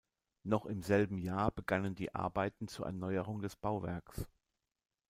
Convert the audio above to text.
Noch im selben Jahr begannen die Arbeiten zur Erneuerung des Bauwerks.